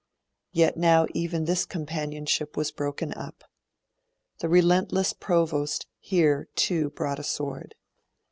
Yet now even this companionship was broken up. The relentless Provost here too brought a sword.